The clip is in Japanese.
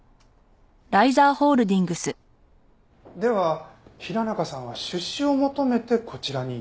では平中さんは出資を求めてこちらに？